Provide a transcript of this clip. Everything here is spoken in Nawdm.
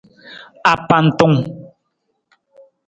Apantung.